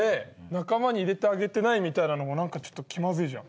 仲間に入れてあげてないみたいなのも何かちょっと気まずいじゃん。